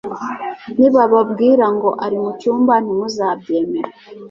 nibababwira ngo ari mu cyumba ntimuzabyemere,